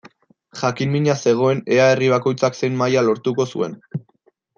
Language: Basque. Jakin-mina zegoen ea herri bakoitzak zein maila lortuko zuen.